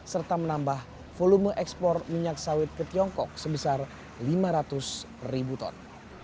serta menambah volume ekspor minyak sawit ke tiongkok sebesar lima ratus ribu ton